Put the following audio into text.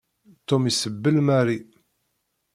Tom isebbel Mary.